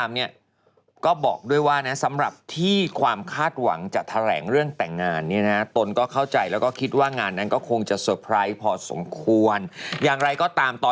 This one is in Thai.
อื้อลายนี้ก็เหมือนกันนาวินต้า